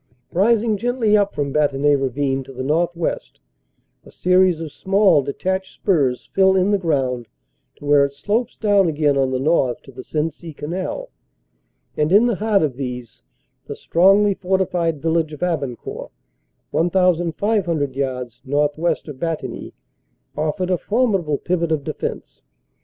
Rising gently up from Bantigny Ravine to the northwest, a series of small detached spurs fill in the ground to where it slopes down again on the north to the Sensee Canal, and in the heart of these the strongly fortified village of Abancourt, 1,500 yards northwest of Bantigny, offered a formidable pivot of defense.